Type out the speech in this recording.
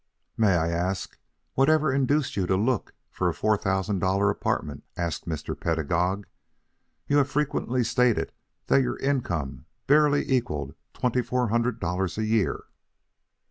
"May I ask whatever induced you to look for a four thousand dollar apartment?" asked Mr. Pedagog. "You have frequently stated that your income barely equalled twenty four hundred dollars a year."